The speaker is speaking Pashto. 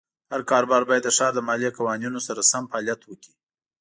هر کاروبار باید د ښار د مالیې قوانینو سره سم فعالیت وکړي.